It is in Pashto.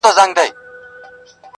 دا زړه کیسه راپاته له پلرو ده؛